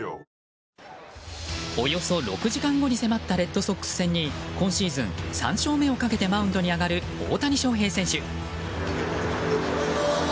およそ６時間後に迫ったレッドソックス戦に今シーズン３勝目をかけてマウンドに上がる大谷翔平選手。